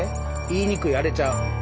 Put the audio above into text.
言いにくいあれちゃう？